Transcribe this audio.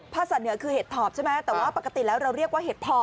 ภาษาเหนือคือเห็ดถอบใช่ไหมแต่ว่าปกติแล้วเราเรียกว่าเห็ดถอบ